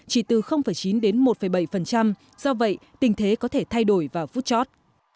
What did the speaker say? chỉ từ chín đến một bảy do vậy tình thế có thể thay đổi vào phút chót